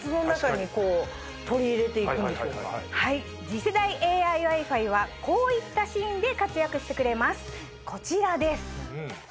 次世代ＡＩＷｉ−Ｆｉはこういったシーンで活躍してくれますこちらです。